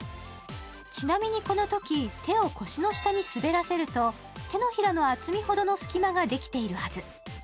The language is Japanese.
ちなみにこのとき手を腰の下に滑らせると手のひらの厚みほどの隙間ができているはず。